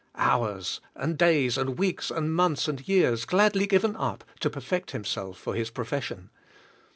Hours, and days, and weeks, and months, and years, gladly given up to perfect himself for his profession.